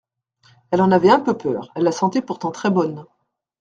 Elle en avait un peu peur, elle la sentait pourtant très bonne.